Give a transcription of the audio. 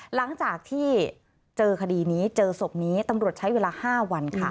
หลังจากที่เจอคดีนี้เจอศพนี้ตำรวจใช้เวลา๕วันค่ะ